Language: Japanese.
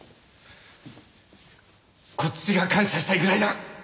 こっちが感謝したいぐらいだ。